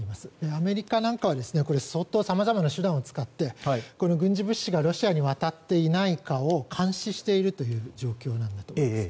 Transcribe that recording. アメリカなんかは相当、さまざまな手段を使い軍事物資がロシアに渡っていないかを監視しているという状況だと思います。